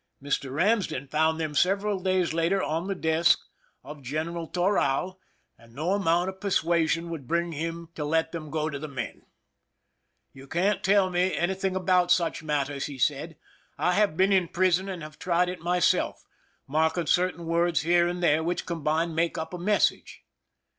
Mr. Eamsden found them several days later on the desk of (j^^n 11 239 THE SINKINO OF THE "MERRIMAC" eral Toral, and no amount of persuasion would bring him to let them go to the men. " You can't tell me anything about such matters," he said. " I have been in prison and have tried it myself —mark ing certain words here and there which, combined, made up a message."